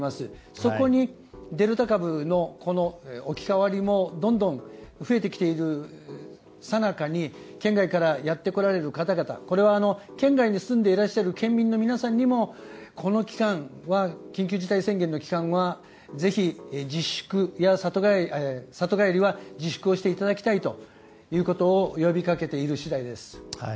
そこに、デルタ株の置き換わりもどんどん増えてきているさなかに県外からやってこられる方々これは県外に住んでいらっしゃる県民の皆さんにもこの緊急事態宣言の期間はぜひ里帰りは自粛していただきたいということを呼びかけている次第です。